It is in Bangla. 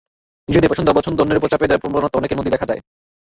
নিজের পছন্দ-অপছন্দ অন্যের ওপর চাপিয়ে দেওয়ার প্রবণতা অনেকের মধ্যেই দেখা যায়।